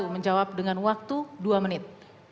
menjawab dengan waktu dua menit